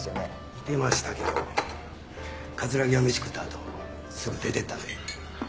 いてましたけど木は飯食ったあとすぐ出て行ったんで。